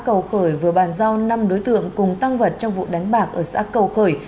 cầu khởi vừa bàn giao năm đối tượng cùng tăng vật trong vụ đánh bạc ở xã cầu khởi